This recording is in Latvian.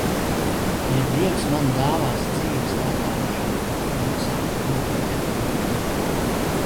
Ja Dievs man dāvās dzīves laikā meitu, nosaukšu viņu par Eloīzu.